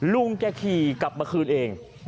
ลุงแกขี่กลับมาคืนเอง